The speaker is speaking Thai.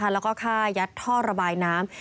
แล้วก็ฆ่ายัดท่อระบายน้ำ